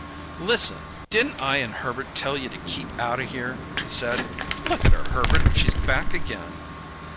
"Listen! Didn't I and Herbert tell you to keep out o' here?" he said. "Look at her, Herbert! She's back again!"